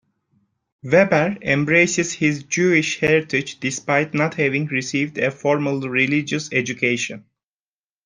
Weber embraces his Jewish heritage despite not having received a formal religious education.